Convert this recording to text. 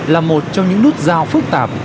là một trong những nút giao phức tạp